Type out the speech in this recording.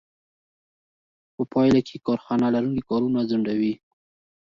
په پایله کې کارخانه لرونکي کارونه ځنډوي